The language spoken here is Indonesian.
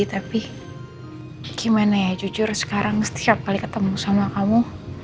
tapi gimana ya jujur sekarang setiap kali ketemu sama kamu